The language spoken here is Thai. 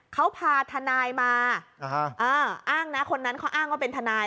เขาพาทนายมาอ้างนะคนนั้นเขาอ้างว่าเป็นทนาย